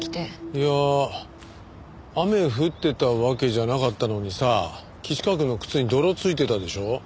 いや雨降ってたわけじゃなかったのにさ岸川くんの靴に泥付いてたでしょ？